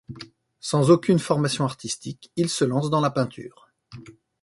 Sans aucune formation artistique, il se lance dans la peinture.